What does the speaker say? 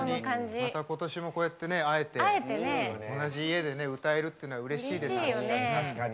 またことしも会えて同じ家で歌えるっていうのはうれしいですよ。